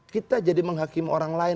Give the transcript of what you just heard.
kita jadi menghakimi orang lain